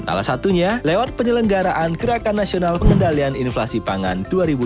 salah satunya lewat penyelenggaraan gerakan nasional pengendalian inflasi pangan dua ribu dua puluh